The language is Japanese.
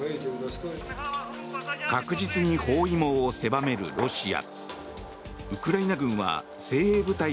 確実に包囲網を狭めるロシア。